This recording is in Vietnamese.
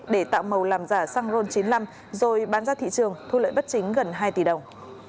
để tạo màu làm giả xăng ron chín mươi năm rồi bán ra thị trường thu lợi bất chính gần hai tỷ đồng